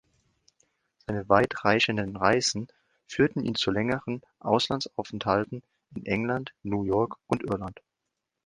Seine weitreichenden Reisen führten ihn zu längeren Auslandsaufenthalten in England, New York und Irland.